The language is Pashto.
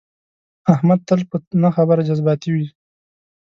احمد تل په نه خبره جذباتي وي.